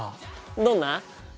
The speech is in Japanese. どんな？